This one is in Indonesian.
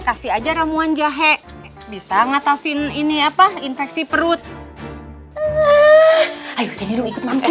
kasih aja ramuan jahe bisa ngatasin ini apa infeksi perut hai ayo sini ikut mampu